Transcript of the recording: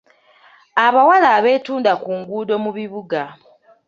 Abawala abeetunda ku nguudo mu bibuga.